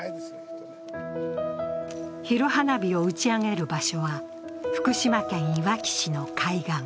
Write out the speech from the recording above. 昼花火を打ち上げる場所は福島県いわき市の海岸。